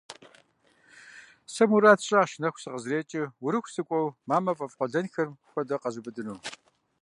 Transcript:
Сэ мурад сщӀащ, нэху сыкъызэрекӀыу Урыху сыкӀуэу, мамэ фӀэфӀ къуэлэнхэм хуэдэ къэзубыдыну.